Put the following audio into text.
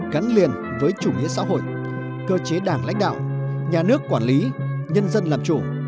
gắn liền với chủ nghĩa xã hội cơ chế đảng lãnh đạo nhà nước quản lý nhân dân làm chủ